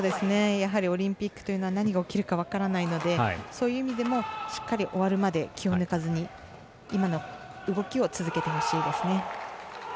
やはりオリンピックというのは何が起きるか分からないのでそういう意味でもしっかり終わるまで気を抜かずに今の動きを続けてほしいですね。